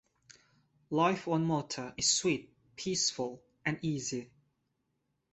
Life on Mota is sweet, peaceful, and easy.